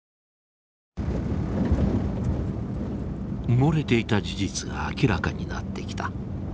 埋もれていた事実が明らかになってきた。